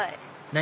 何？